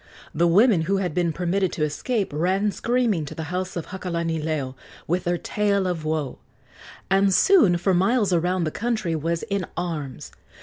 The women who had been permitted to escape ran screaming to the house of Hakalanileo with their tale of woe, and soon for miles around the country was in arms.